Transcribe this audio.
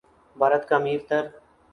بھارت کا امیر تر